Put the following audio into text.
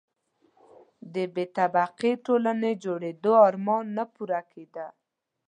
د بې طبقې ټولنې جوړېدو آرمان نه پوره کېده.